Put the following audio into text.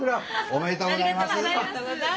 ありがとうございます。